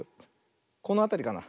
このあたりかな。